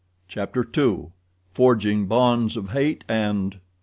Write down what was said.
Chapter II Forging Bonds of Hate and ——?